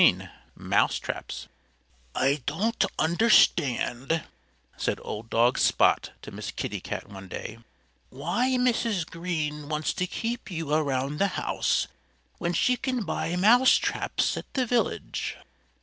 XV MOUSETRAPS "I DON'T understand," said old dog Spot to Miss Kitty Cat one day, "why Mrs. Green wants to keep you around the house when she can buy mousetraps at the village."